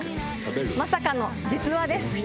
まさかの実話です。